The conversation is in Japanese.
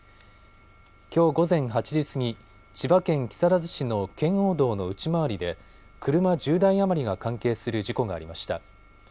きょう午前８時過ぎ、千葉県木更津市の圏央道の内回りで車１０台余りが関係する事故がありました。